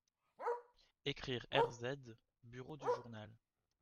Ecrire RZ, bureau du journal.